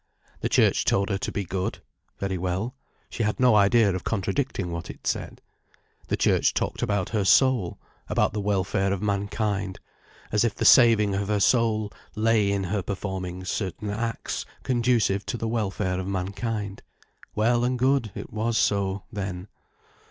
The Church told her to be good: very well, she had no idea of contradicting what it said. The Church talked about her soul, about the welfare of mankind, as if the saving of her soul lay in her performing certain acts conducive to the welfare of mankind. Well and good—it was so, then.